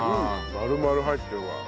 丸々入ってるから。